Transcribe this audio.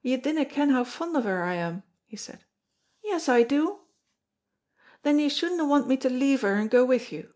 "You dinna ken how fond o' her I am," he said. "Yes, I do." "Then you shouldna want me to leave her and go wi' you."